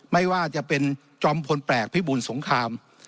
ไม่ว่าจะเป็นจอมพลแปลกพิบูลสงคราม